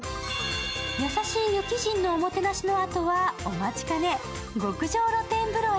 優しい湯鬼神のおもてなしのあとは、お待ちかね、極上露天風呂へ。